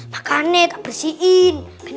makanya tak bersihin